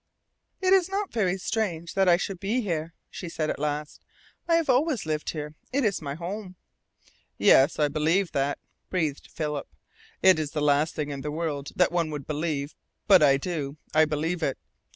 "It is not very strange that I should be here" she said at last. "I have always lived here. It is my home." "Yes, I believe that," breathed Philip. "It is the last thing in the world that one would believe but I do; I believe it.